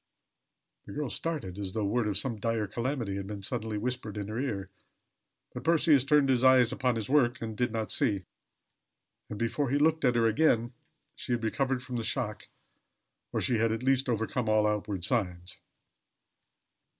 The girl started as though word of some dire calamity had been suddenly whispered in her ear; but Percy had turned his eyes upon his work, and did not see; and before he looked at her again she had recovered from the shock, or she had at least overcome all outward signs.